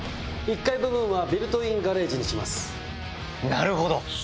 なるほど！